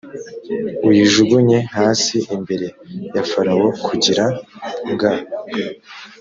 uyijugunye hasi imbere ya farawo kugira ng